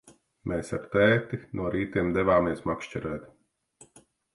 Mēs ar tēti no rītiem devāmies makšķerēt.